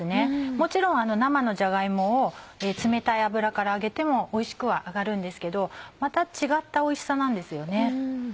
もちろん生のじゃが芋を冷たい油から揚げてもおいしくは揚がるんですけどまた違ったおいしさなんですよね。